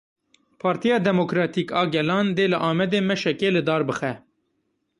Partiya Demokratîk a Gelan dê li Amedê meşekê li dar bixe.